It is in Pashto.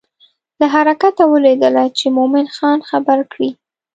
له حرکته ولوېدله چې مومن خان خبر کړي.